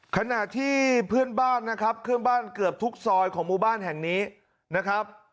ขณะที่เพื่อนบ้านนะครับเครื่องบ้านเกือบทุกซอยของหมู่บ้านแห่งนี้นะครับ